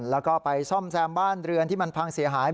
แล้วก็ไปซ่อมแซมบ้านเรือนที่มันพังเสียหาย